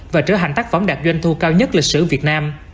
và trở thành tác phẩm đạt doanh thu cao nhất lịch sử việt nam